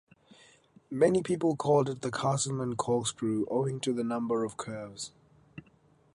Many people called it "The Castleman Corkscrew" owing to the number of curves.